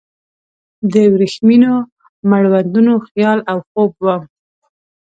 د وریښمینو مړوندونو خیال او خوب وم